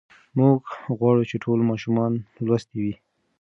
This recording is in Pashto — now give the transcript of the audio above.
موږ غواړو چې ټول ماشومان لوستي وي.